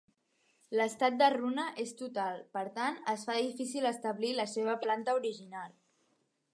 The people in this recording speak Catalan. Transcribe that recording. L'estat de runa és total, per tant es fa difícil establir la seva planta original.